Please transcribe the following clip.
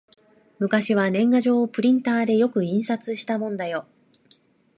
昔は年賀状をプリンターでよく印刷したもんだよ